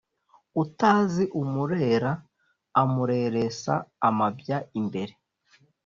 Utazi umurera amureresa amabya imbere.